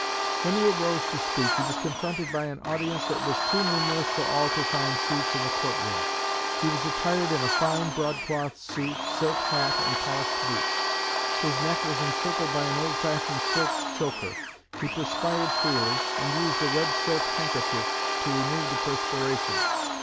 When he arose to speak he was confronted by an audience that was too numerous for all to find seats in the court room. He was attired in a fine broadcloth suit, silk hat, and polished boots. His neck was encircled by an old fashioned silk choker. He perspired freely, and used a red silk handkerchief to remove the perspiration.